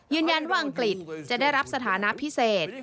ยืนยันว่าอังกฤษจะได้รับสถานะพิเศษ